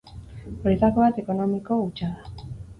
Horietako bat ekonomiko hutsa da.